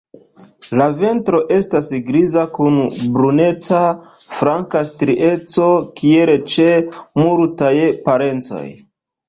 La ventro estas griza kun bruneca flanka strieco, kiel ĉe multaj parencoj.